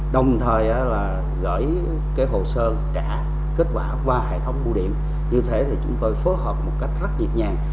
đồng thời gửi hồ sơ trả kết quả qua hệ thống bưu điểm như thế chúng tôi phối hợp một cách rất dịp nhàng